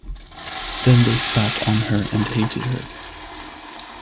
Then they spat on her and hated her.